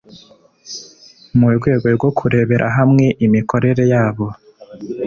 mu rwego rwo kurebera hamwe imikorere yabo